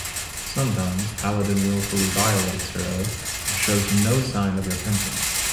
Sometimes paladin willfully violates her oath and shows no sign of repentance.